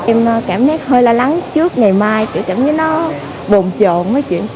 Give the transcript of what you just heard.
em cảm thấy hơi lo lắng trước ngày mai kiểu cảm giống như nó bồn trộn mấy chuyện